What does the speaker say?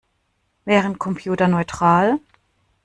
Wären Computer neutral?